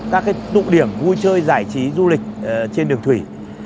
các tụ điểm vui chơi giải trí du lịch trên đường thủy